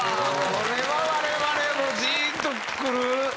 これは我々もジーンとくる。